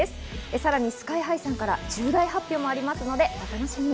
さらにＳＫＹ−ＨＩさんから重大発表もありますのでお楽しみに。